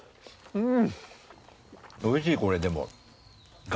うん！